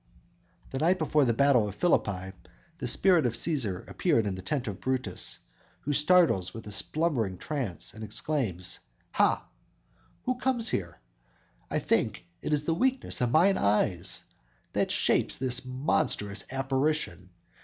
"_ The night before the battle of Philippi the spirit of Cæsar appeared in the tent of Brutus, who startles from a slumbering trance and exclaims: _"Ha! who comes here? I think it is the weakness of mine eyes, That shapes this monstrous apparition.